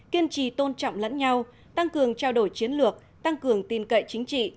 kiên trì tôn trọng lẫn nhau tăng cường trao đổi chiến lược tăng cường tin cậy chính trị